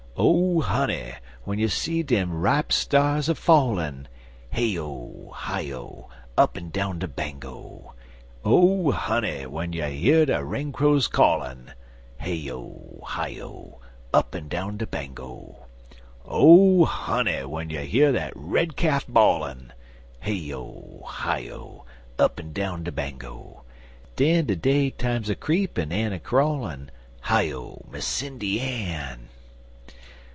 Oh, honey! w'en you see dem ripe stars a fallin' (Hey O! Hi O! Up'n down de Bango!) Oh, honey! w'en you year de rain crow a callin' (Hey O! Hi O! Up'n down de Bango!) Oh, honey! w'en you year dat red calf a bawlin' (Hey O! Hi O! Up'n down de Bango!) Den de day time's a creepin' en a crawlin' (Hi O, Miss Sindy Ann!)